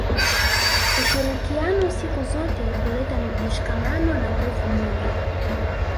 ushirikiano siku zote huleta mshikamano na nguvu moja